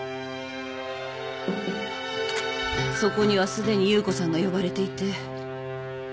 そこにはすでに夕子さんが呼ばれていて。